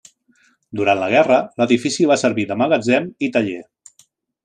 Durant la guerra l'edifici va servir de magatzem i taller.